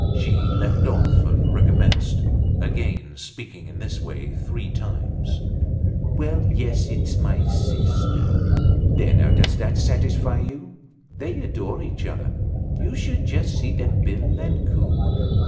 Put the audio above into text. She left off and recommenced again, speaking in this way three times: "Well, yes! it's my sister. There now, does that satisfy you? They adore each other. You should just see them bill and coo!